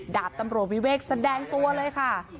ดาบตำรวจวิเวกแสดงตัวเลยค่ะ